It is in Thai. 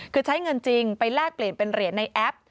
คือใช้เงินจริงไปแลกเปลี่ยนเป็นเหรียญในแอป